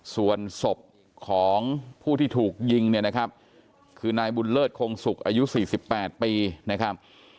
ส่วนศพของผู้ที่ถูกยิงเนี่ยนะครับคือนายบุญเลิศคงสุกอายุ๔๘ปีนะครับ